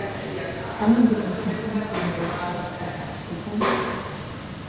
Kann man sich in Zukunft gegen solche Katastrophen absichern?